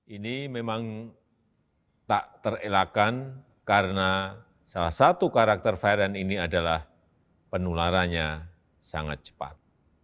ini memang tak terelakkan karena salah satu karakter varian ini adalah penularannya sangat cepat